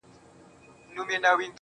خو دداسي خلکو څخه بیا